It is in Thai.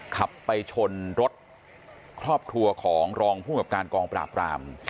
ขับไปชนรถครอบครัวของรองภูมิกับการกองปราบราม